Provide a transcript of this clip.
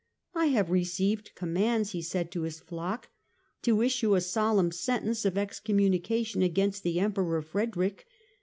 " I have received com mands," he said to his flock, " to issue a solemn sentence of excommunication against the Emperor Frederick.